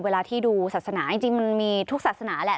เวลาที่ดูศาสนาจริงมันมีทุกศาสนาแหละ